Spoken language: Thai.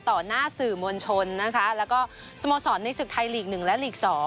ต่อหน้าสื่อมวลชนนะคะแล้วก็สโมสรในศึกไทยลีก๑และลีก๒